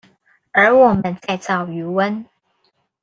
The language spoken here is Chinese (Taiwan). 而我們在造魚塭